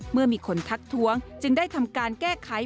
เมื่อมีคนทักท้วงจึงได้ทำการแก้ไข